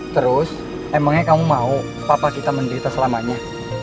terus emangnya kamu mau papa kita menderita selamanya